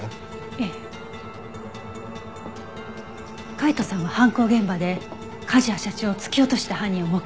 海斗さんは犯行現場で梶谷社長を突き落とした犯人を目撃していた。